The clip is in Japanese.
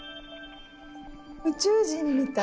宇宙人みたい。